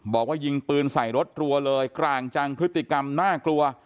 บอกว่ายิงปืนใส่รถรัวเลยกลางจังพฤติกรรมน่ากลัว